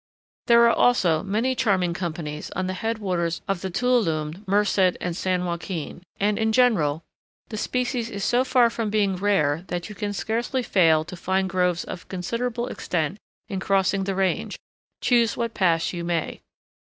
There are also many charming companies on the head waters of the Tuolumne, Merced, and San Joaquin, and, in general, the species is so far from being rare that you can scarcely fail to find groves of considerable extent in crossing the range, choose what pass you may.